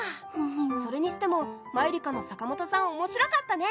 それにしてもマユリカの阪本さん面白かったね。